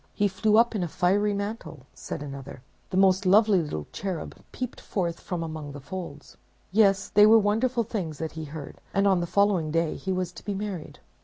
"He flew up in a fiery mantle," said another; "the most lovely little cherub peeped forth from among the folds." Yes, they were wonderful things that he heard; and on the following day he was to be married.